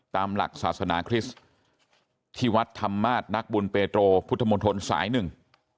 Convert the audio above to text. ตามหลักศาสนาคริสต์ที่วัดธรรมาศนักบุญเปโตรพุทธมนตรสายหนึ่ง